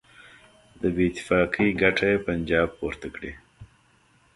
د بېاتفاقۍ ګټه یې پنجاب پورته کړي.